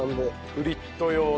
フリット用の。